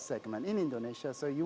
di segmen bus di indonesia jadi anda akan